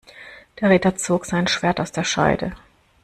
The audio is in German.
Der Ritter zog sein Schwert aus der Scheide.